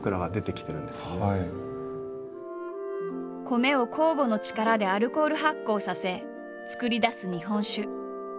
米を酵母の力でアルコール発酵させ造り出す日本酒。